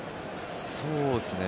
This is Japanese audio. そうですね。